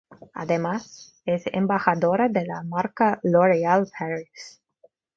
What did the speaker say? Además, es embajadora de la marca L'Oreal Paris.